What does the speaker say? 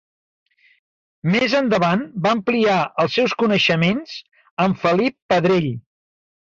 Més endavant va ampliar els seus coneixements amb Felip Pedrell.